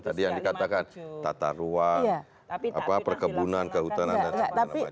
tadi yang dikatakan tata ruang perkebunan kehutanan dan sebagainya